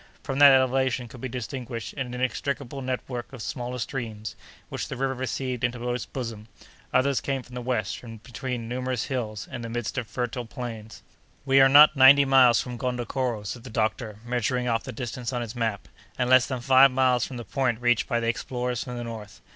From that elevation could be distinguished an inextricable network of smaller streams which the river received into its bosom; others came from the west, from between numerous hills, in the midst of fertile plains. "We are not ninety miles from Gondokoro," said the doctor, measuring off the distance on his map, "and less than five miles from the point reached by the explorers from the north.